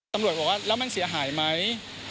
ตำรวจบอกว่าแล้วมันเสียหายไหม